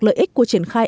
lợi ích của triển khai